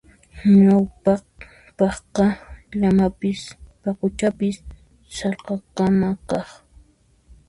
Ñawpaqqa llamapis paquchapis sallqakama kaq.